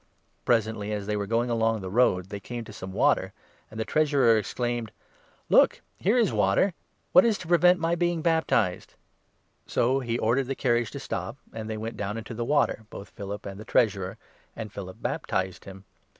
Presently, as they were 36 going along the road, they came to some water, and the Treasurer exclaimed :" Look ! here is water ; what is to prevent my being bap tized ?" So he ordered the carriage to stop, and they went down into 38 the water — both Philip and the Treasurer — and Philip baptized him.